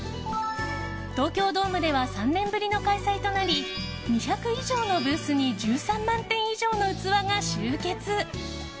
東京ドームでは３年ぶりの開催となり２００以上のブースに１３万点以上の器が集結。